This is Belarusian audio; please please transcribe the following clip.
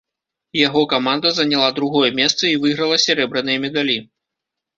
Яго каманда заняла другое месца і выйграла сярэбраныя медалі.